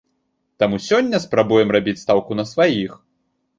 Таму сёння спрабуем рабіць стаўку на сваіх.